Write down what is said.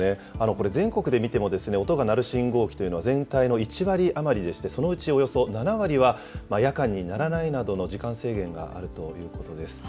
これ、全国で見ても、音が鳴る信号機というのは、全体の１割余りでして、そのうちおよそ７割は、夜間に鳴らないなどの時間制限があるということです。